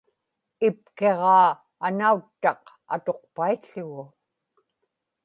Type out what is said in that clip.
ipkiġaa anauttaq atuqpaił̣ł̣ugu